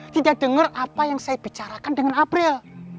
tidak denger apa yang saya bicarakan dengan afril